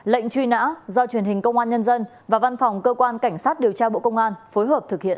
lệnh truy nã do truyền hình công an nhân dân và văn phòng cơ quan cảnh sát điều tra bộ công an phối hợp thực hiện